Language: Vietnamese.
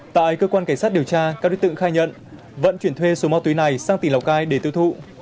tại cơ quan cảnh sát điều tra các đối tượng khai nhận vận chuyển thuê số ma túy này sang tỉnh lào cai để tiêu thụ